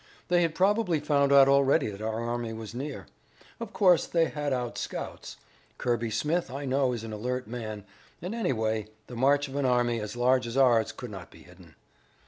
"They had probably found out already that our army was near. Of course they had out scouts. Kirby Smith, I know, is an alert man, and anyway, the march of an army as large as ours could not be hidden."